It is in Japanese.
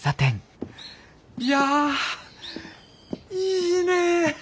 いやいいねえ。